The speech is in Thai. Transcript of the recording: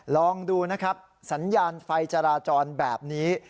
ลองดูนะครับสัญญาณไฟจราจรแบบนี้